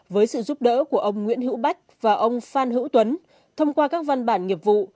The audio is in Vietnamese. với sự giúp đỡ của ông nguyễn hữu bách và ông phan hữu tuấn thông qua các văn bản nghiệp vụ